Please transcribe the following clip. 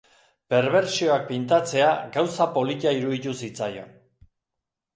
Perbertsioak pintatzea gauza polita iruditu zitzaion.